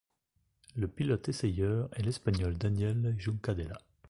Le pilote essayeur est l'Espagnol Daniel Juncadella.